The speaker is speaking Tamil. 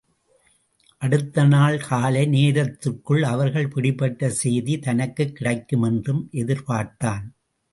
அடுத்த நாள் காலை நேரத்திற்குள் அவர்கள் பிடிபட்ட சேதி தனக்குக் கிடைக்கும் என்றும் எதிர்பார்த்தான்.